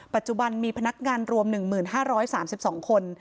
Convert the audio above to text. ปัจจุบันมีพนักงานรวม๑๕๓๒คน